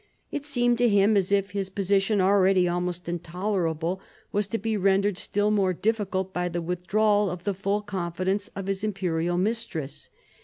It seemed to him as if his position, already almost intolerable, was to be rendered still more difficult by the withdrawal of the full con fidence of his imperial mistress.